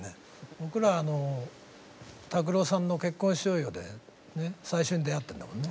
僕らあの拓郎さんの「結婚しようよ」で最初に出会ってるんだもんね。